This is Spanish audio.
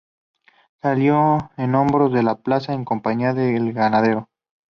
Salió en hombros de la plaza en compañía del ganadero.